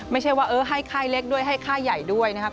ไม่ใช่ว่าเออให้ค่ายเล็กด้วยให้ค่ายใหญ่ด้วยนะครับ